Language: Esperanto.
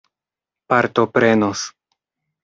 partoprenos